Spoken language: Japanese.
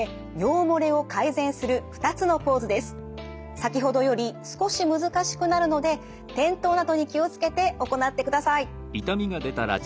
先ほどより少し難しくなるので転倒などに気を付けて行ってください。